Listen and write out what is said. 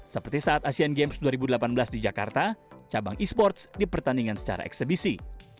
seperti saat asean games dua ribu delapan belas di jakarta cabang e sports dipertandingkan secara eksebisi